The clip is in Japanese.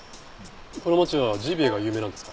この町はジビエが有名なんですか？